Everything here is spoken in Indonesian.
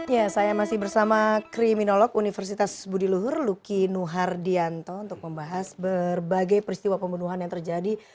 ya saya masih bersama kriminolog universitas budiluhur lucky nuhar dianto untuk membahas berbagai peristiwa pembunuhan yang terjadi